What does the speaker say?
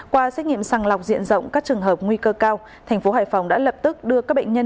qua xét nghiệm sàng lọc diện rộng các trường hợp nguy cơ cao thành phố hải phòng đã lập tức đưa các bệnh nhân